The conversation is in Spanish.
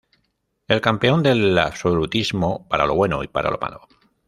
El campeón del absolutismo, para lo bueno y para lo malo.